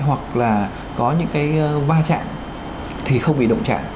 hoặc là có những cái va chạm thì không bị động chặn